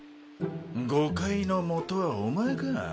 誤解のもとはお前か。